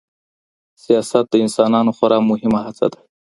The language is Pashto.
سياست د انسانانو خورا مهمه هڅه ده.